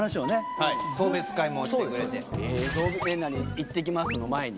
いってきますの前に？